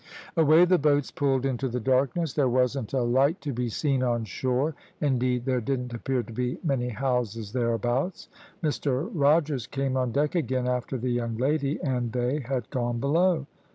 "Away the boats pulled into the darkness; there wasn't a light to be seen on shore; indeed, there didn't appear to be many houses thereabouts. Mr Rogers came on deck again after the young lady and they had gone below.